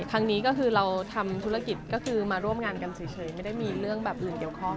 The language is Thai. ครั้งนี้ก็คือเราทำธุรกิจก็คือมาร่วมงานกันเฉยไม่ได้มีเรื่องแบบอื่นเกี่ยวข้อง